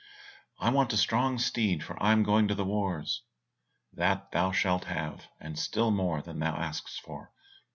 "I want a strong steed, for I am going to the wars." "That thou shalt have, and still more than thou askest for."